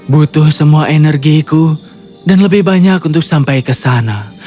butuh semua energiku dan lebih banyak untuk sampai ke sana